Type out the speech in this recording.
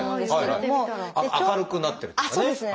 明るくなってるっていうかね。